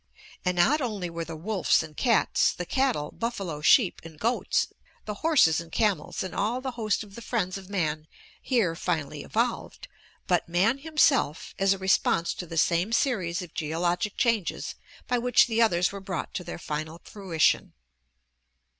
And not only were the wolves and cats, the cattle, buffalo, sheep, and goats, the horses and camels, and all the host of the friends of man here finally evolved, but man himself, as a response to the same series of geo logic changes by which the others were brought to their final frui tion.